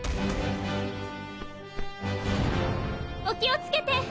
お気をつけて！